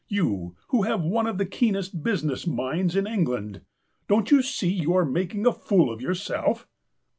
You, who have one of the keenest busi ness minds in England. Don't you see you are making a fool of yourself?"